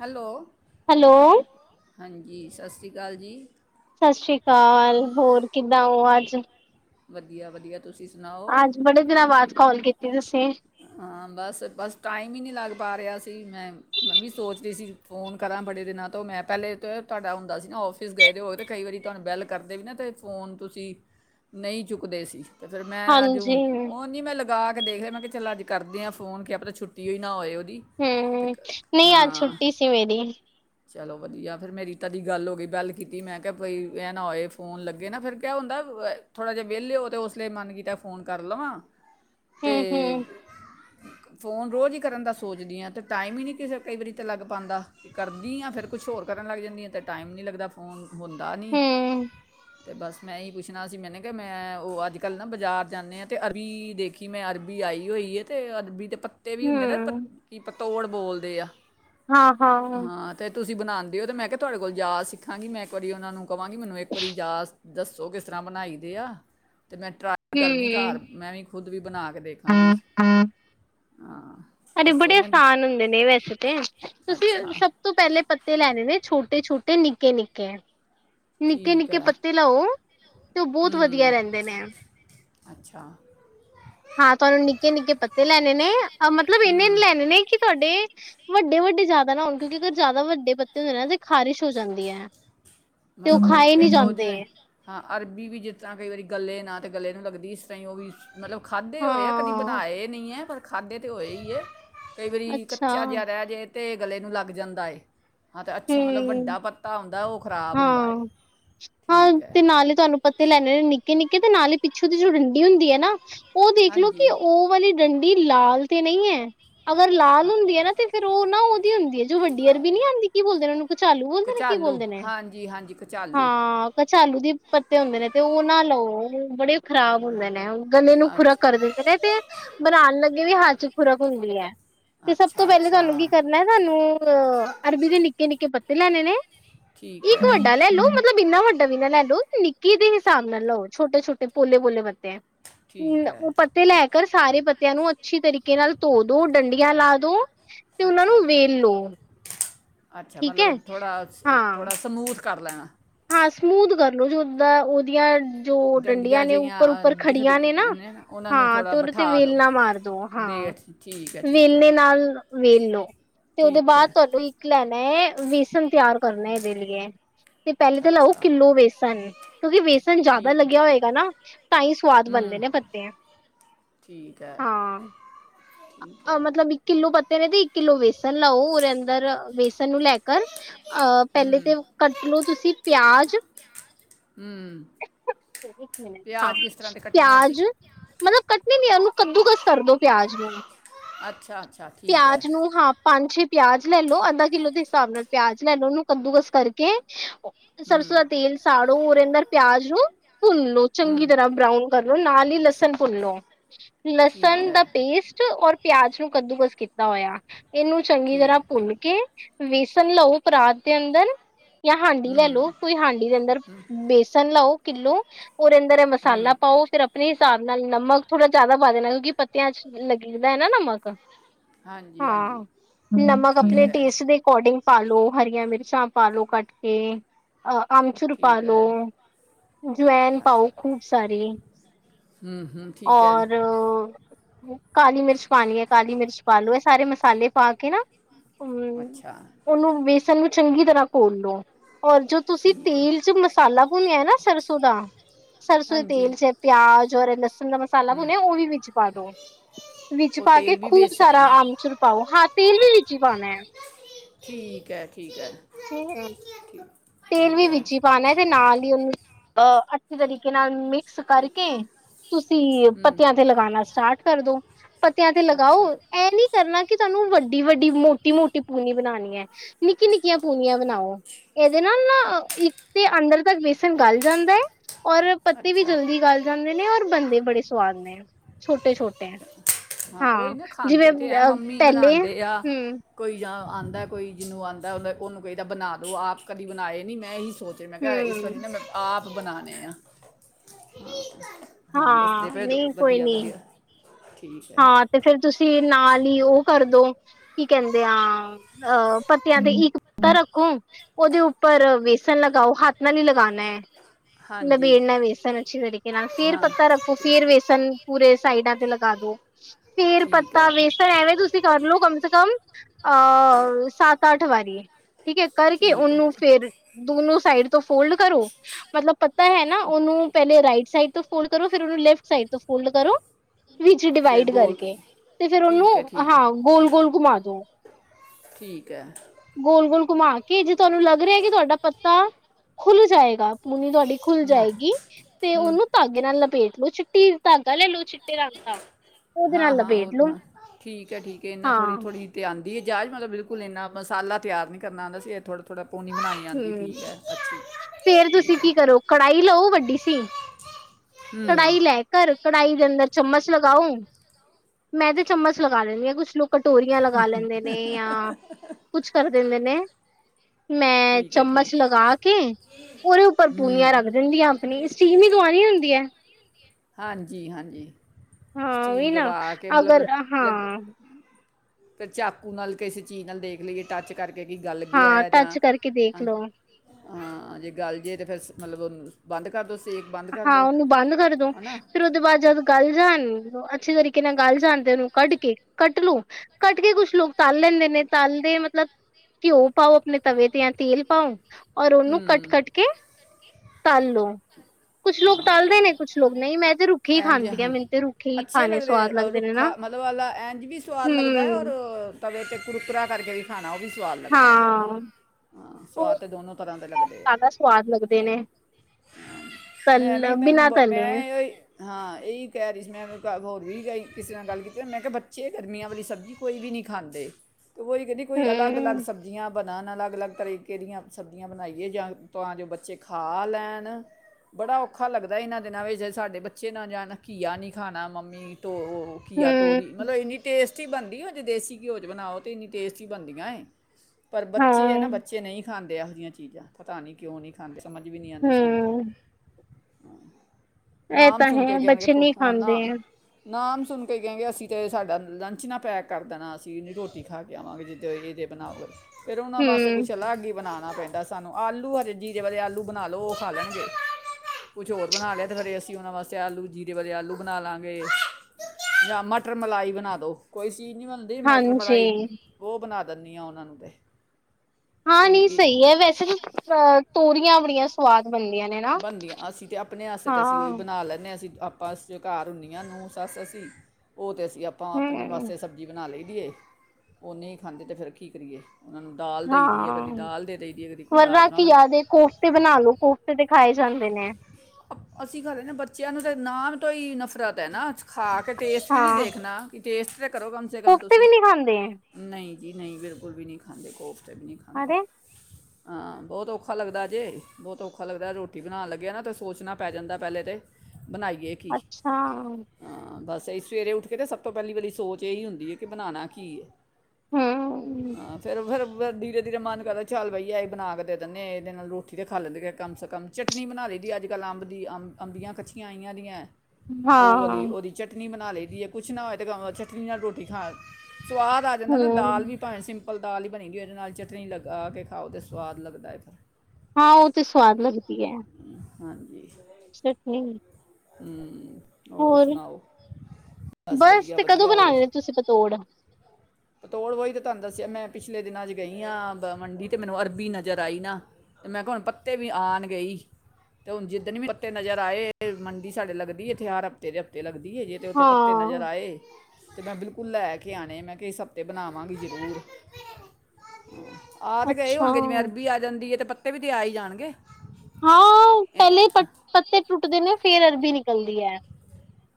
Hello hello ਹਾਂਜੀ ਸ ਸਤਿ ਸ਼੍ਰੀ ਅਕਾਲ ਜੀ ਸਤਿ ਸ੍ਰੀ ਅਕਾਲ ਹੋਰ ਕਿੱਦਾਂ ਹੋ ਅੱਜ ਵਧੀਆ ਵਧੀਆ ਤੁਸੀਂ ਸੁਣਾਓ ਅੱਜ ਬੜੇ ਦਿਨਾਂ ਬਾਅਦ ਕਾਲ ਕੀਤੀ ਤੁਸੀਂ ਹਾਂ ਬਸ ਬਸ ਟਾਈਮ ਹੀ ਨਹੀਂ ਲੱਗ ਪਾ ਰਿਹਾ ਸੀ ਮੈਂ ਮੰਮੀ ਸੋਚ ਦੀ ਸੀ ਫੋਨ ਕਰਾਂ ਬੜੇ ਦਿਨਾਂ ਤੋਂ ਮੈਂ ਪਹਿਲੇ ਤਾਂ ਤੁਹਾਡਾ ਹੁੰਦਾ ਸੀ ਨਾ ਔਫਿਸ ਗਏ ਹੋ ਕਈ ਵਾਰੀ ਤੁਹਾਨੂੰ ਬੈੱਲ ਕਰਦੇ ਵੀ ਨਾ ਫੋਨ ਤੁਸੀ ਨਹੀਂ ਚੁੱਕਦੇ ਸੀ ਤੇ ਫੇਰ ਮੈਂ ਅੱਜ ਹ ਹਾਂਜੀ ਉਹ ਨਹੀਂ ਮੈਂ ਲ ਗਾ ਕੇ ਦੇਖ ਲਿਆ ਮੈਂ ਕਿਹਾ ਚੱਲ ਅੱਜ ਕਰਦੇ ਹ ਫੋਨ ਕਿਹਾ ਪਤਾ ਛੁੱਟੀ ਹੋਈ ਨਾ ਹੋਏ ਉਹਦੀ ਅਤੇ ਹਮ ਨਹੀਂ ਅੱਜ ਹਾਂ ਛੁੱਟੀ ਸੀ ਮੇਰੀ ਚਲੋ ਵਧੀਆ ਫਿਰ ਮੇਰੀ ਤਾਂ ਦੀ ਗੱਲ ਹੋ ਗਈ ਗੱਲ ਕੀਤੀ ਮੈਂ ਕਿਹਾ ਭਈ ਇਹਂ ਨਾ ਹੋਏ ਫੋਨ ਲੱਗੇ ਨਾ ਫਿਰ ਕਿਆ ਹੁੰਦਾ ਥੋੜ੍ਹਾ ਜਿਹਾ ਵਿਹਲੇ ਹੋ ਤਾਂ ਉਸ ਮਨ ਕੀ ਕੀਤਾ ਫੋਨ ਕਰ ਲਵਾਂ ਤੇ ਹਮ ਹਮ ਫੋਨ ਰੋਜ਼ ਹੀ ਕਰਨ ਦਾ ਸੋਚਦੀ ਹਾਂ ਤੇ ਟਾਈਮ ਹੀ ਨਹੀ ਕਈ ਵਾਰੀ ਤੇ ਲੱਗ ਪਾਂਦਾ ਕਰਦੀ ਹਾਂ ਫਿਰ ਕੁਛ ਹੋਰ ਕਰਨ ਲੱਗ ਜਾਂਦੀ ਹਾਂ ਤਾਂ ਟਾਈਮ ਨਹੀਂ ਲੱਗਦਾ ਫੋਨ ਹੁੰਦਾ ਨਹੀਂ ਹਮ ਅਤੇ ਬਸ ਮੈਂ ਇ ਹੀ ਪੁੱਛਣਾ ਸੀਂ ਮਨੇ ਕਿ ਮੈਂ ਉਹ ਅੱਜ ਕੱਲ੍ਹ ਨਾ ਬਾਜ਼ਾਰ ਜਾਂਦੇ ਆਂ ਤੇ ਅਰਬੀ ਦੇਖੀ ਮੈਂ ਅਰਬੀ ਆਈ ਹੋਈ ਹੈ ਤੇ ਅਰਬੀ ਦੇ ਪ ਪੱਤੇ ਵੀ ਹੁੰਦੇ ਨਾ ਹਮ ਕੀ ਤੋੜ ਬੋਲਦੇ ਆ ਹਾਂ ਤੇ ਤੁਸੀਂ ਬਣਾ ਮੈਂ ਕਿਹਾ ਤੁਹਾਡੇ ਕੋਲ ਜਾਾ ਸਿੱਖਾਂਗੀ ਮੈਂ ਇੱਕ ਵਾਰੀ ਉਨ੍ਹਾਂ ਨੂੰ ਕਾਵਾਂਗੀ ਮੈਨੂੰ ਇੱਕ ਵਾਰੀ ਜਾਚ ਦੱਸੋ ਕਿਸ ਤਰ੍ਹਾਂ ਬਣਾਈ ਗਿਆ ਤੇ ਮੈਂ ਟਰਾਈ ਕਰਨੀ ਘਰ ਮੈਂ ਵੀ ਖੁਦ ਵੀ ਬਣਾ ਕੇ ਕੇ ਦੇਖਾਂਗੀ। ਆਂ ਹਡੇ ਬੜੇ ਆਸਾਨ ਹੁੰਦੇ ਨੇ ਵੈਸੇ ਤੇ ਤੁਸੀਂ ਅੱਛਾ ਸਭ ਤੋਂ ਪਹਿਲੇ ਪੱਤੇ ਲੈਣੇ ਨੇ ਛੋਟੇ ਛੋਟੇ ਨਿੱ ਨਿੱਕੇ ਨਿੱਕੇ ਠੀਕ ਨਿੱਕੇ-ਨਿੱਕੇ ਹੈ ਪੱਤੇ ਲਓ ਤੇ ਉਹ ਬਹੁਤ ਵਧੀਆ ਹੂੰ ਰਹਿੰਦੇ ਨੇ, ਅੱਛਾ ਹਾਂ ਤੁਆਨੂੰ ਨਿੱਕੇ-ਨਿੱਕੇ ਪੱਤੇ ਲੈਣੇ ਨੇ ਮਤਲਬ ਇੰਨੇ ਨ ਲੈਣੇ ਨੇ ਕਿ ਤੁਹਾਡੇ ਵੱਡੇ-ਵੱਡੇ ਜ਼ਿਆਦਾ ਨਾ ਹੋਣ ਕਿਉਂਕਿ ਅਗਰ ਜ਼ਿਆਦਾ ਵੱਡੇ ਪੱਤੇ ਹੁੰਦੇ ਨਾ ਤੇ ਖਾਰਿਸ਼ ਹੋ ਜਾਂਦੀ ਐ। ਤੇ ਮਤਲਬ ਉਹ ਖਾਏ ਨੀ ਕਹਿੰਦੇ ਉਹ ਜਾਂਦੇ ਜਿਵੇਂ ਹਾਂ। ਅਰਬੀ ਵੀ ਜਿਸ ਤਰ੍ਹਾਂ ਕਈ ਵਾਰੀ ਗੱਲੇ ਨਾ ਤਾਂ ਗੱਲੇ ਨੂੰ ਲੱਗਦੀ ਇਸ ਤਰ੍ਹਾਂ ਉਹ ਵੀ ਮਤਲਬ ਖਾਧੇ ਹੋਏ ਆ ਕਦੀ ਹਾਂ ਬਣਾਏ ਨਹੀਂ ਐ ਪਰ ਖਾਧੇ ਤੇ ਹੋਏ ਈ ਐ। ਕਈ ਵਾਰੀ ਅੱਛਾ ਕੱਚਾ ਜਿਆਦਾ ਜੇ ਤੇ ਗਲੇ ਨੂੰ ਲੱਗ ਜਾਂਦਾ ਐ। ਹਾਂ ਤੇ ਅੱਛਾ ਮਤਲਬ ਹੂੰ ਵੱਡਾ ਪੱਤਾ ਹੁੰਂਦਾ ਉਹ ਖਰਾਬ ਹੁੰਦਾ ਏ ਹਾਂ ਹਾਂ ਠੀਕ ਹੈ ਤੇ ਨਾਲ ਹੀ ਤੁਹਾਨੂੰ ਪੱਤੇ ਲੈਣੇ ਨੇ ਨਿੱ ਨ ਨਿੱਕੇ ਤੇ ਨਾਲ ਹੀ ਪਿੱਛੋਂ ਦੀ ਜੋ ਡੰਡੀ ਹੁੰਦੀ ਐ ਨਾਂ। ਉਹ ਦੇਖਲੋ ਹਾਂਜੀ ਕਿ ਉਹ ਵਾਲੀ ਡੰਡੀ ਲਾਲ ਤੇ ਨਹੀਂ ਐ। ਅਗਰ ਲਾਲ ਅ- ਹੁੰਦੀ ਐਨਾ ਤੇ ਫਿਰ ਉਹ ਨਾ ਹੁੰਦੀ ਐ, ਜੋ ਵੱਡੀ ਅਰਬੀ ਆਂਦੀ। ਬੋਲਦੇ ਨੇ ਉਹਨੂੰ ਕਚਾਲੂ ਬੋਲਦੇ ਨੇ ਕੀ ਕਚਾਲੂ ਬੋਲਦੇ ਨੇ ਹਾਂਜੀ ਹਾਂਜੀ ਕਚਾਲੂ ਹਾਂ ਕਚ ਕਚਾਲੂ ਦੇ ਪੱਤੇ ਹੁੰਦੇ ਨੇ ਤੇ ਉਹ ਨਾ ਲਓ ਬੜੇ ਖਰਾਬ ਹੁੰਦੇ ਨੇ ਗਲੇ ਨੂੰ ਖੁਰਾਕ ਕਰ ਅੱਛਾ ਪਏ ਨੇ ਤੇ ਬਣਾਉਣ ਲੱ ਅੱਗੇ ਵੀ ਹੱਥ ਚ ਖੂਰਕ ਹੁੰਦੀ ਐ। ਤੇ ਸਭ ਤੋਂ ਅੱਛਾ ਪਹਿਲੇ ਅੱਛਾ ਤੁਹਾਨੂੰ ਕੀ ਕਰਨਾ ਤੁਹਾਨੂੰ ਅ ਅਰਬੀ ਦੇ ਲਿ ਪਤੇ ਲੈਨੇ ਨੇ ਠੀਕ ਇੱਕ ਹੈ ਵੱਡਾ ਲੈਲੂ ਮਤਲਬ ਇੰਨਾ ਵੱਡਾ ਵੀ ਨਾ ਲੈਲੂ। ਨਿੱਕੀ ਦੇ ਹਿਸਾਬ ਨਾਲ ਲਓ ਛੋਟੇ-ਛੋਟੇ ਪੋਲੇ-ਪੋਲੇ ਬੱਤੇ। ਹਂ, ਠੀਕ ਹੈ ਉਹ ਪੱਤੇ ਲੈ ਕਰ ਸਾਰੇ ਪੱਤਿਆਂ ਨੂੰ ਅੱਛੀ ਤਰੀਕੇ ਨਾਲ ਧੋ ਦੋ ਡੰਡੀ ਗਿਆ ਲਾਦੋ। ਤੇ ਉਹਨਾਂ ਅੱਛਾ ਨੂੰ ਵੇਲ ਲੋ ਅੱਛਾ ਠੀਕ ਹੈ ਮਤਲਬ ਹਾਂ ਥੋੜਾ-ਥੋੜਾ ਸਮੂਥ ਕਰ ਲੈਣਾ ਸਮੂਥ ਕਰਲੋ ਜਦਾਂ ਉਹਦੀਆਂ ਜੋ ਡੰਡੀਆਂ ਨੇ ਜਿਹੀਆਂ ਉੱਪਰ ਉੱਪਰ ਅ, ਖੜੀਆਂ ਦਿਖਦੀਆਂ ਨੇ ਨਾ ਉਹਨਾਂ ਨੂੰ ਹਾਂ ਥੋੜਾ ਤੇ ਉਹਦੇ ਤੇ ਬਿਠਾ ਦਿਓ ਵੇਲਣਾ ਮਾਰ ਦੋ ਹਾਂ ਬੇਠ ਠੀਕ ਹੈ ਠੀਕ ਹੈ ਵੇਲਨੇ ਨਾਲ ਵੇਲ ਲੋ ਹ ਤੇ ਉਹਦੇ ਠੀਕ ਬਾਅਦ ਹੈ ਤੁਹਾਨੂੰ ਇੱਕ ਲੈਣਾ ਵੇਸਣ ਤਿਆਰ ਕਰਨੇ ਕੇ ਲੀਏ ਤੇ ਪਹਿਲੇ ਤਾਂ ਲਾਓ ਅੱਛਾ ਕਿੱਲੋ ਵੇਸਣ ਕਿਉਂਕਿ ਬੇਸਣ ਜ਼ਿਆਦਾ ਠੀਕ ਲੱਗਿਆ ਹੋਏਗਾ ਨਾ ਤਾਂ ਹੀ ਸਵਾਦ ਬਣਦੇ ਨੇ ਪੱਤੇ ਠੀਕ ਹੈ ਹਾਂ ਠੀਕ ਅ ਹੈ ਮਤਲਬ ਇੱਕ ਕਿੱਲੋ ਪੱਤਾ ਤੇਰੇ ਤੇ ਇੱਕ ਕਿੱਲੋ ਵੇਸਨ ਲਓ ਉਹਦੇ ਅੰਦਰ ਵੇਸ ਸਾਨੂੰ ਲੈਕ ਅ ਪਹਿਲੇ ਤੇ ਕੱਟ ਲੋੋ ਤੁਸੀਂ ਪਿਆਜ ਹੂੰ [inaudible] ਹਾਂ ਪਿਆਜ਼ ਕਿਸ ਤਰ੍ਹਾਂ ਦੇ ਕੱਟਨੇ ਅਸੀਂ ਪਿਆਜ ਮਤਲਬ ਕੱਟਣੀ ਨ ਉਹਨੂੰ ਕੱਦੂਕਸ ਕਰਦੋ ਪਿਆਜ ਨੂੰ ਹ ਅੱਛਾ ਅੱਛਾ ਠੀਕ ਹੈ ਪਿਆਜ ਨੂੰ ਹਾਂ ਪੰਜ ਛੇ ਪਿਆਜ ਲੈ ਲੋ ਅੱਧਾ ਕਿੱਲੋ ਦੇ ਹਿਸਾਬ ਨਾਲ ਪਿਆਜ ਲੈ ਲੋ ਉਹਨੂੰ ਕੰਦੂਕਸ ਕਰਕੇ ਸਰਸਵਤੀ ਸਾੜੂ ਉਰੇਿੰਦਰ ਪਿਆਜ ਨੂੰ ਭੁੰਨ ਲੋ ਚੰਗੀ ਤਰ੍ਹਾਂ ਬਰਾਊਨ ਕਰ ਲੋ ਨਾਲ ਹੀ ਲਸਣ ਭੁਨੋ ਠੀਕ ਲਸਣ ਦਾ ਹੈ ਪੇਸਟ ਔਰ ਪਿਆਜ ਨੂੰ ਕੱਦੂਕਸ ਕੀਤਾ ਹੋਇਆ ਇਹਨੂੰ ਚੰਗੀ ਠੀਕ ਤਰ੍ਹਾਂ ਭੁੰਨ ਕੇ ਵੇਸਣ ਲਊ ਪਰਾਤ ਦੇ ਅੰਦਰ ਜਾਂ ਹਾਂਡੀ ਲੈ ਲਓ ਤੁਸੀ ਹਾਂਡੀ ਦੇ ਅੰਦਰ ਬੇਸਨ ਲਓ ਕਿੱਲੋ ਓਹਦੇ ਅੰਦਰ ਏ ਮਸਾਲਾ ਪਾਓ ਫਿਰ ਆਪਣੀ ਹਿਸਾਬ ਨਾਲ ਨਮਕ ਥੋੜ੍ਹਾ ਜਿਆਦਾ ਪਾ ਦੇਣਾ ਕਿਉਂਕਿ ਪੱਤਿਆਂ ਚ ਲੱਗਦਾ ਹੈ ਨਾ ਨਮਕ ਹਾਂਜੀ ਹਾਂ ਹਾਂਜੀ ਨਮਕ ਠੀਕ ਆਪਣੇ ਹੈ ਟੈਸਟ ਦੇ ਅਕੋਰਡਿੰਗ ਪਾਲੋ ਹਰੀਆਂ ਮਿਰਚਾਂ ਪਾਾਲੋ ਕੱਟ ਕੇ ਅ ਆਮਚੁਰ ਪਾ ਠੀਕ ਲੋ ਹੈ ਜਵੈਨ ਪਾਓ ਅੱਛਾ ਖੂਬ ਹੂੰ ਸਾਰੇ ਹੂੰ [inaudible] ਠੀਕ ਹੈ ਔਰ ਕਾਲੀ ਮਿਰਚ ਪਾਣੀ ਹੈ ਕਾਲੀ ਮਿਰਚ ਛ ਪਾ ਲੋ ਇਹ ਸਾਰੇ ਮਸਾਲੇ ਪਾ ਕੇ ਨਾ ਹਮ ਅੱਛਾ ਉਹਨੂੰ ਬੇਸਨ ਨੂੰ ਚੰਗੀ ਤਰ੍ਹਾਂ ਘੋਲ ਲਓ ਔਰ ਜੋ ਤੁਸੀਂ ਠੀਕ ਹੈ ਤੇਲ ਚ ਮਸਾਲਾ ਪੂਨੀ ਲਿਆ ਨਾ ਸਰਸੋਂ ਦਾ। ਸਰਸੋਂ ਦੇ ਤੇਲ ਹਾਂਜੀ ਚ ਪਿਆਜ ਔਰ ਲਸਣ ਦਾ ਮਸਾਲਾ ਭੁਣੇਿਆ ਉਹ ਵੀ ਵਿੱਚ ਪਾ ਦੋ ਵਿੱਚ ਉਹ ਪਾ ਕੇ ਤੇਲ ਵੀ ਖੂਬ ਨਾਲ ਵੇਸਣ ਅਮਚਖਰ ਪਾਓ। ਤੇਲ ਵੀ ਵਿਚੀ ਪਾਉਣਾ ਹੈ। ਠੀਕ ਹੈ-ਠੀਕ ਹੈ। ਹੂੰ ਠੀਕ- ਤੇਲ ਠੀਕ ਵੀ ਹੈ ਵਿਚੀ ਪਾਣਾ ਤੇ ਨਾਲ ਹੀ ਉਹਨੂੰ ਅਹ, ਅੱਛੇ ਤਰੀਕੇ ਨਾਲ ਮਿਕਸ ਕਰਕੇ ਤੁਸੀਂ ਹੂੰ ਪੱਤਿਆਂ ਤੇ ਲਗਾਉਣਾ ਸਟਾਰਟ ਕਰਦੋ ਪੱਤਿਆਂ ਤੇ ਅੱਛਾ ਲਗਾਓ ਇਹ ਨੀ ਕਰਨਾ ਕਿ ਤੁਹਾਨੂੰ ਵੱਡ ਵੱਡੀ-ਵੱਡੀ, ਮੋਟੀ-ਮੋਟੀ, ਪੂਨੀ ਬਣਾਉਣੀ ਨਿੱਕੀ- ਨਿੱਕੀ ੀਆਂ ਪੂਨੀਆਂ ਬਣਾਓ ਇਹਦੇ ਨਾਲ ਠੀਕ ਨਾ ਇੱਕ ਤੇ ਅੰਦਰ ਤੱਕ ਵੇਸਣ ਗਲ ਜਾਂਦਾ ਹੈ ਔਰ, ਪੱਤੇ ਵੀ ਅੱਛਾ ਜਲਦੀ ਗਾਲ ਜਾਂਦੇ ਨੇ ਔਰ ਬੰਣਦੇ ਬੜੇ ਸਵਾਦ ਨੇ ਛੋਟੇ-ਛੋਟੇ ਹੈ। ਹਾਂ ਉਹੀ ਨਾ ਖਾਂਦੇ ਤੇ ਹੈ, ਮੰਮੀ ਪਹਿਲੇ ਬਣਉਦੇ ਆ ਹਮ ਕੋਈ ਜਾਂ ਆਉਂਦਾ ਕੋਈ, ਜਿਹਨੂੰ ਆਉਂਦਾ, ਉਹਦਾ ਉਹਨੂੰ ਕਹੀਦਾ ਬਣਾ ਦਿਉ, ਆਪ ਕਦੀ ਬਣਾਏ ਨਹੀਂ ਮੈਂ ਹੀ ਸੋਚੇ, ਮੈਂ ਕਿਹਾ ਇਸ ਵਾਰੀ ਹਮ ਨਾ ਮੈਂ ਆਪ ਬਣਾਉਣੇ ਆ। ਦੱਸਦੇ ਹਾਂ ਪਏ ਦੋ- ਨਹੀਂ ਕੋਈ ਵਧੀਆ ਨੀ। ਵਧੀਆ ਠੀਕ ਹੈ। ਹਾਂ ਤੇ ਫੇਿਰ ਤੁਸੀਂ ਨਾਲ ਹੀ ਉਹ ਕਰਦੋ ਕੀ ਕਹਿੰਦੇ ਆ ਅ ਪੱਤਿਆਂ ਤੇ ਇਕ ਪੱਤਾ ਰੱਖੋ ਉਹਦੇ ਉੱਪਰ ਬੇਸਨ ਲਗਾਓ ਹੱਥ ਨਾਲ ਹੀ ਲਗਾਉਣਾ ਹੈ। ਹਾਂਜੀ ਲਬੇੜਨਾ ਵੇਸਨ ਅੱਛੇ ਤਰੀਕੇ ਨਾਲ ਫਿਰ ਹਾਂ ਪੱਤਾ ਰੱਖੋ ਫੇਰ ਵੇਸਨ। ਪੂਰੇ ਸਾਈਡਾਂ ਤੇ ਲਗਾ ਦੋ। ਫੇਰ ਠੀਕ ਪੱਤਾ ਹੈ ਵੇਸਣ ਐਵੇਂ ਤੁਸੀਂ ਕਰ ਲਓ ਕਮ ਸੇ ਕਮ ਦਮ ਅ ਸਤ -ਆਠ ਵਾਰੀ। ਠੀਕ ਹੈ ਕਰਕੇ ਠੀਕ ਹੈ ਉਹਨੂੰ ਫੇਰ ਦੋਨੋ ਸਾਈਡ ਫੋਲਡ ਕਰੋ ਮਤਲਬ ਤਾਂ ਹੈ ਨਾ ਉਹਨੂੰ ਪਹਿਲੇ ਰਾਈਟ ਸਾਈਡ ਤੋਂ ਫੋਲਡ ਕਰੋ ਫਿਰ ਉਹਨੂੰ ਲੈਫਟ ਸਾਈਡ ਤੋਂ ਫੋਲਡ ਕਰੋ। ਵਿੱਚ ਫਿਰ ਡਿਵਾਈਡ ਗੋਲ ਕਰਕੇ ਤੇ ਫੇਿਰ ਉਹਨੂੰ ਠੀਕ ਹੈ ਠੀਕ ਹੈ ਹਾਂ ਗੋਲ ਗੋਲ ਘੁਮਾ ਦੋ। ਠੀਕ ਹੈ। ਗੋਲ-ਗੋਲ ਘੁਮਾ ਕੇ ਜੇ ਤੁਹਾਨੂੰ ਲੱਗ ਰਿਹਾ ਕਿ ਤੁਹਾਡਾ ਪੱਤਾ ਖੁੱਲ ਜਾਏਗਾ ਪੂਨੀ ਤੁਹਾਡੀ ਖੁੱਲ ਜਾਏਗੀ ਤੇ ਹੂੰ ਉਹਨੂੰ ਧਾਗੇ ਨਾਲ ਲਪੇਟ ਲੋ ਚ ਕਿ ਧਾਗਾ ਲੈਲੋ ਚਿੱਟੇ ਰੰਗ ਦਾ। ਉਹਦੇ ਨਾਲ ਹਾਂ-ਹਾਂ, ਲਪੇਟ ਲੋ ਉਹ ਠੀਕ ਹੈ, ਠੀਕ ਹੈ ਇਹਨਾ ਹਾਂ ਥੋੜ੍ਹੀ-ਥੋੜ੍ਹੀ ਆਂ [unintelligible] ਬਿਲਕੁਲ ਇੰਨਾ ਮਸਾਲਾ ਤਿਆਰ ਨਹੀਂ ਕਰਨਾ ਆਉਂਦਾ ਸੀ ਥੋੜਾ ਥੋੜਾ ਪੋਣੀ ਬਣਾਉਣੀ ਆਂਦੀ ਹਮ ਠੀਕ ਹੈ ਅੱਛੀ ਫੇਰ ਠੀਕ ਤੁਸੀਂ ਹੈ ਕੀ ਕਰੋ ਕੜਾਹੀ ਲਓ ਵੱਡੀ [unintelligible] ਹੂੰ ਕੜਾਈ ਲੈ ਘਰ ਕੜਾਹੀ ਦੇ ਅੰਦਰ ਚਮਚ ਲਗਾਓ ਮੈਂ ਤੇ ਚਮਚ ਲਗਾ ਲੈਂਦੀ ਹਾਂ ਕੁਛ ਲੋਕ ਕਟੋਰੀਆਂ ਲਗਾ ਲੈਂਦੇ ਨੇ ਜਾਂ ਕੁਛ ਕਰ ਦਿੰਦੇ ਨੇ ਮੈਂ ਠੀਕ ਹੈ ਠੀਕ ਚਮਚ ਲਗਾ ਕੇ ਉਹਦੇ ਉੱਪਰ ਪੂਨੀਆਂ ਹੂੰ ਰੱਖ ਦਿੰਦੀ ਹਾਂ ਆਪਣੀ ਸਟੀਮ ਹੀ ਦਵਾਣੀ ਹੁੰਦੀ ਹੈ ਹਾਂਜੀ ਹਾਂਜੀ ਹਾਂ ਸਟੀਮ ਨਾ ਦਬਾ ਕੇ ਅਗਰ ਮਤਲਬ ਹਾਂ ਲੱਗ ਫਿਰ ਚਾਕੂ ਨਾਲ ਕਿਸੇ ਚੀਜ਼ ਨਾਲ ਦੇਖ ਲਈਏ ਟੱਚ ਕਰਕੇ ਕਿ ਗਲ ਗਿਆ ਹਾਂ ਹੈ ਜਾਂ ਟੱਚ ਕਰਕੇ ਦੇਖ ਹਾਂ ਲਓ ਹਾਂ ਜੇ ਗੱਲ ਜੇਏ ਤਾਂ ਫਿਰ ਮਤਲਬ ਉਹਨੂੰ ਬੰਦ ਕਰ ਦਉ ਹਾਂ ਉਹਨੂੰ ਬੰਦ ਕਰਦੋ ਫਿਰ ਉਹਦੇ ਬਾਅਦ ਜਦ ਗੱਲ ਜਾਣ ਅੱਛੇ ਤਰੀਕੇ ਨਾਲ ਗੱਲ ਜਾਣਦੇ ਉਹਨੂੰ ਕੱਢ ਕੇ ਕੱਟ ਲੋ ਕੱਟ ਕੇ ਕੁੱਛ ਲੋਕ ਤਲ ਲੈਂਦੇ ਨੇ ਤਲਦੇ ਮਤਲਬ ਘਿਓ ਪਾਓ ਆਪਣੇ ਤਵੇ ਤੇ ਜਾਂ ਤੇਲ ਪਾਓ ਔਰ ਉਹਨੂੰ ਕੱਟ ਹੂੰ ਕੱਟ ਕੇ ਤਲ ਲਓ ਕੁਛ ਲੋਕ ਤਲਦੇ ਨੇ ਕੁਛ ਲੋਕ ਨਹੀਂ ਮੈਂ ਤੇ ਰੁੱਖੇ ਹੀ ਖਾਂਦੀ ਹਾਂ ਮੈਨੂੰ ਤੇ ਰੁੱਖੇ ਹੀ ਅੱਛੇ ਖਾਣੇ ਸਵਾਦ ਅ, ਲੱਗਦੇ ਨੇ ਨਾ ਰੁੱਖਾ ਮਤਲਬ ਵਾਲਾ ਇੰਜ ਵੀ ਸਵਾਦ ਲੱਗਦਾ ਹੈ ਔਰ ਹਮ ਤਵੇ ਚ ਕੁਰਕਰਾ ਕਰਕੇ ਵੀ ਖਾਣਾ ਉਹ ਵੀ ਸਵਾਦ ਲੱਗਦਾ ਹੈ ਹਾਂ ਹਾਂ ਉਹ ਸਵਾਦ ਤਾਂ ਦੋਨੋਂ ਤਰ੍ਹਾਂ ਦੇ ਲੱਗਦੇ ਆ ਜ਼ਿਆਦਾ ਸਵਾਦ ਲੱਗਦੇ ਨੇ ਚੱਲੋ ਮੈਂ ਵੀ ਤਲ ਮੈਨੂੰ ਬਿਨਾਂ ਬ ਤਲੇ ਮੈਂ ਇਹ ਹਾਂ ਇਹੀ ਕਹਿ ਰਹੀ ਸੀ ਮੈਂ ਵੀ ਵੀ ਕਿਸੇ ਨਾਲ ਗੱਲ ਕੀਤੀ ਮੈਂ ਕਿਹਾ ਬੱਚੇ ਗਰਮੀਆਂ ਵਾਲੀ ਸਬਜ਼ੀ ਕੋਈ ਵੀ ਨਹੀਂ ਖਾਂਦੇ ਕੋਈ ਕਹਿੰਦੀ ਅਲੱਗ ਅਲਗ ਹੂੰ ਸਬਜ਼ੀਆਂ ਬ ਅਲੱਗ ਅਲੱਗ ਤਰੀਕੇ ਦੀਆਂ ਸਬਜ਼ੀਆਂ ਬਣਾਈਏ ਜਾਂ ਤਾਂ ਜੋ ਬੱਚੇ ਖਾ ਲੈਣ ਬੜਾ ਔਖਾ ਲੱਗਦਾ ਇਹਨਾਂ ਦਿਨਾਂ ਵਿੱਚ ਸਾਡੇ ਬੱਚੇ ਨਾਲ ਜਾਣ ਘੀਆ ਨੀ ਖਾਣਾ ਮੰਮੀ ਤੋ ਘੀਆ ਤੋਰੀ ਹੂੰ ਮਤਲਬ ਇੰਨੀ ਟੇਸਟ ਬਣਦੀ ਹੋ ਜੇ ਦੇਸੀ ਘਿਓ ਬਣਾਓ ਤੇ ਇੰਨੀ ਟੇਸਟੀ ਬਣਦੀਆਂ ਏ ਪਰ ਬੱਚੇ ਨਾ ਹਾਂ ਬੱਚੇ ਨਹੀਂ ਖਾਂਦੇ ਇਹੋ ਜਿਆਂ ਚੀਜ਼ਾਂ ਪਤਾ ਨਹੀਂ ਕਿਉੰ ਨਹੀਂ ਖਾਂਦੇ ਸਮਝ ਵੀ ਨਹੀਂੀ [unintelligible] ਐ ਨਾਮ ਤਾਂ ਸੁਣ ਕੇ ਹੈ ਕਹਿਣਗੇ ਬੱਚੇ ਭੁ- ਨਹੀਂ ਹਾਂ, ਖਾਂਦੇ ਨਾ ਆ ਨਾਮ ਸੁਣ ਕੇ ਕਹਿੰਗੇ ਅਸੀਂ ਤਾਂ ਸਾਡਾ ਲੰਚ ਨਾ ਪੈਕ ਕਰ ਦੇਣਾ ਅਸੀਂ ਰੋਟੀ ਖਾ ਕੇ ਆਵਾਂਗੇ ਜਿੱਦਾਂ ਇਹਦੇ ਬਣਾਓ ਫਿਰ ਉਹੁਨਾਂ ਵਾਸਤੇ ਹੂੰ ਕੁਛ ਅਲੱਗ ਬਣਾ ਪੈਂਦਾ ਸਾਨੂੰ ਆਲੂ ਹਜੇ ਜੀਰੇ ਵਾਲੇ ਆਲੂ ਬਣਾ ਲ ਲੋ ਖਾ ਲੈਣਗੇ ਕੁਛ ਹੋਰ ਬਣਾ ਲਿਆ ਤਾਂ ਫਿਰ ਅਸੀਂ ਉਹਨਾਂ ਵਾਸਤੇ ਆਲੂ ਜੀਰੇ ਵਾਲੇ ਆਲੂ ਬਣਾ ਲਵਾਂਗੇ ਜਾਂ ਮਟਰ ਮਲਾਈ ਬਣਾ ਦਉ ਕੋਈ ਕਿੰਨੀ ਵਲਦੀ ਬਣਦੀ ਮਟਰ ਹਾਂਜੀ ਮਲਾਈ ਉਹ ਬਣਾਤੀ [unintelligible] ਉਹਨਾਂ ਨੂੰ ਤਾਂ ਹਾਂ ਨਹੀਂ ਸਹੀ ਹੈ ਵੈਸੇ ਵੀ ਅ ਤੋਰੀਆਂ ਬਣੀਆਂ [unintelligible] ਬਣਦੀਆਂ ਅਸੀਂ ਤਾਂ ਆਪਣੇਸ ਤਾਂ ਅਸੀਂ ਹਾਂ ਉਹਹੀ ਬਣਾ ਲੈਦੇ ਹਾਂ ਅਸੀਂ ਅਸੀ ਘਰ ਹੁੰਨੀਆਂ ਨੂੰ ਸੱਸ ਅਸੀਂ ਉਹ ਤੇ ਸੀ ਆਪਾਂ ਆਪਣੇ ਹੂੰ ਵਾਸਤੇ ਸਬਜ਼ੀ ਬਣਾ ਲਈ ਇਹ ਉਹ ਨਹੀਂ ਖਾਂਦੇ ਤੇ ਫੇਰ ਕੀ ਕਰੀਏ ਉਹਨਾਂ ਨੂੰ ਦਾਲ ਦੇਈ ਦੀ ਹੈ ਹਾਂ ਕਦੀ ਦਾਲ ਦੇ ਦੇਈ ਦੀ ਹੈ ਕਦੀ ਕੋਈ ਵਰਨਾ ਰਾਜਮਾਂ ਬਣਾ ਘਿਅ ਦੇ ਕੋਫਤੇ ਬਣਾ ਲੋੋ ਕੋਫਤੇ ਤੇ ਖਾਏ ਜਾਂਦੇ ਨੇ। ਅਸੀਂ ਖਾ ਲੈਨੇ ਬੱਚਿਆਂ ਨੂੰ ਤੇ ਨਾਮ ਤੋਂ ਹੀ ਨਫ਼ਰਤ ਹੈ ਨਾ। ਖਾ ਕੇ ਟੇਸਟ ਵੀ ਨੀ ਹਾਂ ਦੇਖਣਾ। ਇਸ ਲਈ ਕਮ ਸੇ ਕਮ ਕੋਫਤੇ ਤੁਸੀਂ, ਵੀ ਨਹੀਂ ਖਾਂਦੇ ਨਹੀਂ ਨਹੀਂ ਬਿਲਕੁਲ ਵੀ ਨਹੀਂ ਖਾਂਦੇ ਕੋਫ਼ਤੇ ਵੀ ਨਹੀਂ ਖਦੇ ਅਰੇ ਹਾਂ ਬਹੁਤ ਔਖਾ ਲੱਗਦਾ ਜੇ ਬਹੁਤ ਔਖਾ ਲੱਗਦਾ ਰੋਟੀ ਬਣਾਉਣ ਲੱਗਗੇ ਨਾ ਤੁਸੀਂ ਸੋਚਣਾ ਪੈ ਜਾਂਦਾ ਪਹਿਲੇ ਤੇ ਬਣਾਈਏ ਕੀ ਅੱਛਾ ਹਾਂ ਬਸ ਸਵੇਰੇ ਉੱਠ ਕੇ ਤਾਂ ਸਭ ਤੋਂ ਪਹਿਲੀ ਵੀ ਸੋਚ ਇਹੀ ਹੁੰਦੀ ਹੈ ਕਿ ਬਣਆਨਾ ਕੀ ਹੈ। ਹੂੰ ਹਾਂ ਫੇਿਰ ਫਿਰ ਧੀਰੇ ਧੀਰੇ ਮਨ ਕਰਦਾ ਚੱਲ ਬਈਆ ਇਹ ਬਣਾ ਕੇ ਦੇ ਦਿੰਦੇ ਆ ਇਹਦੇ ਨਾਲ ਰੋਟੀ ਤੇ ਖਾ ਲੈਂਦੇ ਆ ਕਮ ਸੇ ਕਮ ਚਟਨੀ ਬਣਾ ਲਈ ਦੀ ਆ ਅੱਜ ਅੰਬ ਦੀ ਅੰਬ ਅੰਬੀਆਂ ਕੱੱਚੀਆਂ ਆਈਆਂ ਦੀਆਂ ਉਹ ਵਾਲੀ ਹਾਂ ਉਹਦੀ ਚਟਨੀ ਬ ਕੁਝ ਨਾ ਹੋਵੇ ਤੇ ਚਟਨੀ ਨਾਲ ਰੋਟੀ ਖਾ ਸਵਾਦ ਆ ਜਾਂਦਾ ਨਾ ਹੂੰ ਦਾਲ ਵੀ ਭਾਵੇਂ ਸਿੰਪਲ ਦਾਲ ਹੀ ਬਣੀ ਜਾਂਦੀ ਉਹਦੇ ਨਾਲ ਚਟਨੀ ਲਗਾ ਕੇ ਖਾਓ ਤੇ ਸਵਾਦ ਲੱਗਦਾ ਹੈ ਫਿਰ ਹਾਂ ਉਹ ਤੇ ਸਵਾਦ ਲੱਗਦੀ ਹੈ ਹਾਂਜੀ [unintelligible] ਚਟਨੀ ਹਮ ਹੋਰ ਬਸ ਵਧੀਆ ਤੇ ਕਦੋਂ ਵਧੀਆ ਹੋਰ ਬਣਾਣੇ ਨੇ ਤੁਸੀਂ ਪਤੋੜ ਪਤੋੜ ਵੋਹੀ ਤੇ ਤੁਹਾਨੂੰ ਦੱਸਿਆ ਮੈਂ ਪਿਛਲੇ ਦਿਨਾਂ ' ਗਈ ਹਾਂ ਬ ਮੰਡੀ ਤੇ ਮੈਨੂੰ ਅਰਬੀ ਨਜ਼ਰ ਆਈ ਨਾ ਤੇ ਮੈਂ ਕਿਹਾ ਹੁਣ ਪੱਤੇ ਵੀ ਆਉਣ ਗਈ। ਤੇ ਹੁਣ ਜਿੱਦਣ ਵੀ ਪੱਤੇ ਨਜ਼ਰ ਆਏ ਮੰਡੀ ਸਾਡ ਲੱਗਦੀ ਹੈ ਹਥਿਆਰ ਹਫ਼ਤੇ ਦੇ ਹਫ਼ਤੇ ਲੱਗਦੀ ਜੇ ਉਥੇ ਪੱਤੇ ਹਾਂ ਨਜ਼ਰ ਆਏ ਤੇੈਂ ਮੈ ਬਿਲਕੁਲ ਉਹ ਲੈ ਕੇ ਆਉਣੇ ਮੈਂ ਕਿਸ ਹਫ਼ਤੇ ਬਣਾਵਾਂਗੀ ਜ਼ਰੂਰੂਰ ਆਹ ਤੇ ਗਏ ਅੱਛਾ ਹੋਣਗੇ। ਜਿਵੇਂ ਅਰਬੀ ਆ ਜਾਂਦੀ ਐਤੇ ਪ ਤੇ ਵੀ ਤੇ ਆ ਈ ਜਾਣਗੇ ਤੇ ਹਾਂ ਪਹਿਲੇ ਪੱ ਪੱਤੇ ਟੁਟਦੇ ਨੇ ਫੇਰ ਅਰਬੀ ਵੀ ਨਿਕਲਦੀ ਏ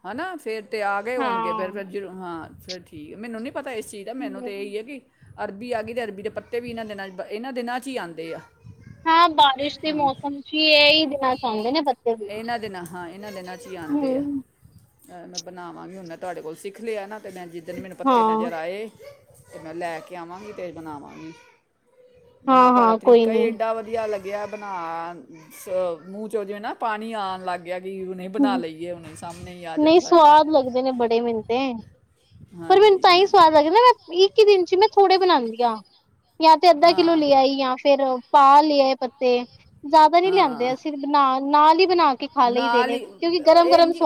ਹਨਾ ਫੇਰ ਤੇ ਆ ਗਏ ਹੋਣਗੇ, ਫੇਰ ਬੇਰ ਜਦੋਂ ਹਾਂ। ਫਿਰ ਠੀਕ ਐ। ਮੈਨੂੰ ਨੀ ਪਤਾ ਇਸ ਚੀਜ਼ ਦਾ, ਮੈਨੂੰ ਤਾਂ ਹਮ ਇਹੀ ਹੈ ਵੀ ਅਰਬੀ ਆ ਗਈ ਅਤੇ ਅਰਬੀ ਦੇ ਪੱਤੇ ਵੀ ਇਹਨਾਂ ਦਿਨਾਂ ਬ ਇਹਨਾਂ ਦਿਨਾਂ ਚ ਈ ਆਂਦੇ ਆ। ਹਾਂ ਬਾਰਿਸ਼ ਦੇ ਹਾਂ ਮੌਸਮ ਚ ਹੀ, ਇਹਹੀ ਦਿਨਾਂ ਚਾਹੁੰਦੇ ਨੇ ਪੱਤੇ ਵੀ ਹੁਣ। ਇਹਨਾਂ ਦੇ ਨਾਲ ਹਂ। ਅ, ਮੈਂ ਬਣਾਵਾਂਗੀ ਹੁਣ, ਤੁਹਾਡੇ ਕੋਲੋਂ ਸਿੱਖ ਲਿਆ ਨਾ ਤੇ ਮੈਂ ਜਿੱਦਣ ਮੈਨੂੰ ਹਾਂ ਪੱਤੇ ਨਜ਼ਰ ਆਏ ਤੇ ਮੈਂ ਲੈ ਕੇ ਆਵਾਂਗੀ ਤੇ ਬਣਾਵਾਂਗੀ। ਹਾਂ ਬਣਾ, ਤੁਹਾਡਾ ਹਾਂ ਕੋਈ ਤਰੀਕਾ ਹੀ ਨੀ ਏਡਾ ਵਧੀਆ ਲੱਗ ਤੇ ਆ ਬਣਾ, ਅ ਮੂੰਹ ਚ ਜਿਵੇਂ ਨਾ ਪਾਣੀ ਆਉਣ ਲੱਗ ਕਿ ਵੀ ਹੁਨੇ ਬਣਾ ਲਈਏ ਉਹਨੇ ਸੀਗੇ। ਨਈਂ, ਸਵਾਦ ਲੱਗਦੇ ਨੇ ਬੜੇ ਮੈਨੂੰ ਤੇ, ਪਰ ਮੈਨੂੰ ਹਾਂਜੀ ਤਾਂਹੀ ਸਵਾਦ ਹਾਂਜੀ ਲੱਗਦੇ ਮੈਂ, ਵੀਹ-ਇੱਕੀ ਦਿਨ ਚ ਨਾ ਥੋੜੇ ਤੇ ਬਣਾਦੀਆਂ। ਯਾ ਤੇ ਅੱਧਾ ਕਿਲੋ ਹਾਂ ਲਿਆਈ, ਯਾ ਫੇਰ ਪਾ ਲਿਆਏ ਪੱਤੇ ਜ਼ਿਆਦਾ ਨੀ ਹਾਂ ਲਿਆਂਦੇ ਅਸੀਂ, ਬਣਾ ਨਾਲ ਹੀ ਬਣਾ ਕੇ ਖਾ ਲਈ ਦੇਨੇ। ਇੰਝ ਹੀ,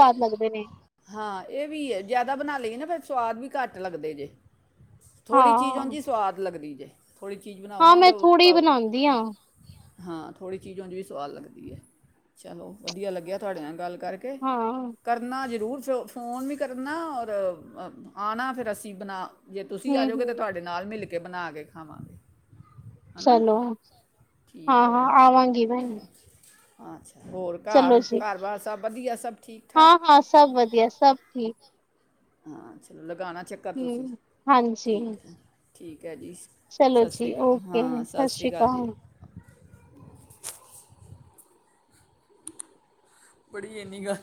ਹਾਂ ਇਹ ਵੀ ਐ, ਜਿਆਦਾ ਬਣਾ ਲਈਏ ਨਾ ਫੇਰ ਸੁਆ ਸਵਾਦ ਵੀ ਘੱਟ ਲੱਗਦੇ ਜੇ। ਥੋੜ੍ਹੀ ਚੀਜ਼ ਉਂਝ ਹਾਂ, ਈ ਸਵਾਦ ਲੱਗਦੀ ਐ। [unintelligible] ਥੋੜ੍ਹੀ ਚੀਜ਼ ਬਣਾਓ ਹਾਂ ਨਾ ਮੈਂ ਤਾਂ ਥੋੜ੍ਹੀ ਉਹ ਬਣਾਂਦੀ ਆ [unintelligible] ਹਾਂ, ਥੋੜੀ ਚੀਜ਼ ਉਂਝ ਵੀ ਸਵਾਦ ਲੱਗਦੀ ਐ। ਚਲੋ, ਵਧੀਆ ਲੱਗਿਆ ਤੁਹਾਡੇ ਨਾਲ ਗੱਲ ਕਰ ਕਰਕੇ, ਹਾਂ ਕਰਨਾ ਜ਼ਰੂਰ ਚੋ ਫੋਨ ਵੀ ਕਰਨਾ ਔਰ ਆਉਣਾ ਫਿਰ ਅਸੀਂ ਬਣਾ ਜੇ ਤੁਸੀਂ ਆ ਜਾਓਗੇ ਤਾਂ ਹੂੰ-ਹੂੰ। ਤੁਹਾਡੇ ਨਾਲ ਮਿਲ ਕੇ ਬਣਾ ਕੇ ਖਾਵਾਂਗੇ। ਹਨਾ ਚਲੋ, ਠੀਕ ਹਾਂ-ਹਾਂ, ਹੈ ਆਵਾਂਗੀ ਮੈਂ। ਅੱਛਾ ਹੋਰ ਘਰ ਘਰ ਬਾਹਰ ਸਭ ਵਧੀਆ ਸਭ ਠੀਕ ਹਾਂ ਠਾਕ ਹਾਂ ਸਭ ਵਧੀਆ ਸਭ ਠੀਕ ਅੱਛਾ ਲਾਉਣਾ ਚੱਕਰ ਤੁਸੀਂ ਹੂੰ ਹਾਂਜੀ ਠੀਕ ਹੈ ਠੀਕ ਠਕ ਹੈ ਜੀ ਸਤਿ ਸ਼੍ਰੀ ਅਕਾਲ ਹਾਂ ਸਤਿ ਸ਼੍ਰੀ ਅਕਾਲ ਜੀ ਬੜੀ ਇੰਨੀ ਗੱਲ